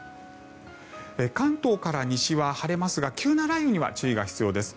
関東から西は晴れますが急な雷雨には注意が必要です。